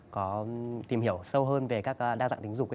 có tìm hiểu sâu hơn về các đa dạng tính dụng